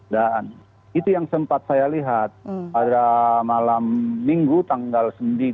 dan itu yang sempat saya lihat pada malam minggu tanggal sembilan